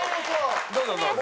どうぞどうぞ。